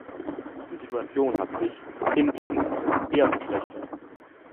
Die Situation hat sich, im Gegenteil, eher verschlechtert.